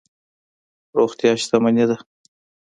روغتیا شتمني ده.